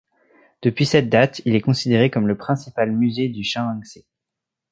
Depuis cette date, il est considéré comme le principal musée du Shaanxi.